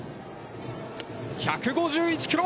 １５１キロ。